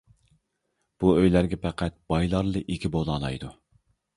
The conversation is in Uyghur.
بۇ ئۆيلەرگە پەقەت بايلارلا ئىگە بولالايدۇ.